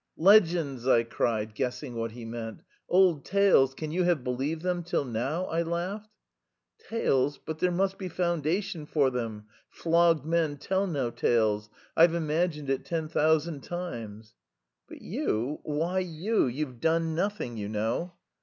"Legends!" I cried, guessing what he meant. "Old tales. Can you have believed them till now?" I laughed. "Tales! But there must be foundation for them; flogged men tell no tales. I've imagined it ten thousand times." "But you, why you? You've done nothing, you know."